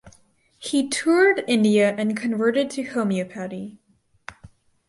He toured India and converted to homeopathy.